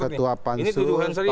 ketua pansus pak masinton